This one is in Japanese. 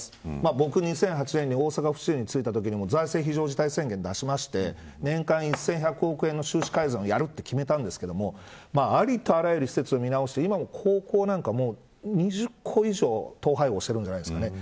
僕、２００８年に大阪府知事に就いたときも財政非常事態宣言を出しまして年間１１００億円の収支改善をやると決めたんですけどありとあらゆる施設を見直して高校なんか２０校以上、統廃合してるんじゃないですかね。